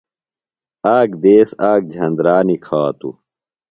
آک دیس آک جھندرا نِکھاتوۡ۔